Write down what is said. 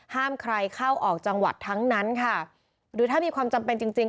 ห้ามใครเข้าออกจังหวัดทั้งนั้นค่ะหรือถ้ามีความจำเป็นจริงจริง